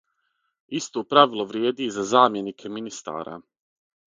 Исто правило вриједи и за замјенике министара.